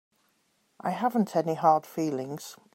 I haven't any hard feelings.